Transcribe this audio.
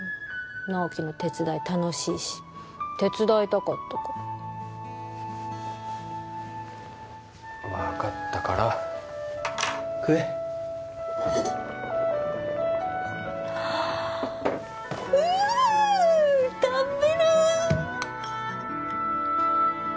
直木の手伝い楽しいし手伝いたかったから分かったから食えう食べる！